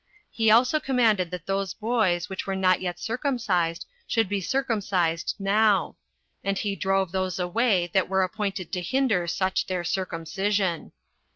He also commanded that those boys which were not yet circumcised should be circumcised now; and he drove those away that were appointed to hinder such their circumcision.